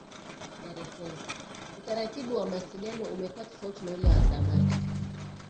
Utaratibu wa mawasilinao umekuwa tofauti na ule wa zamani